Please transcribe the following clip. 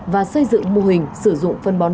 và xây dựng mô hình sử dụng phân bón